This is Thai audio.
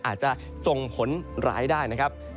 อาจจะส่งผลร้ายได้นะครับ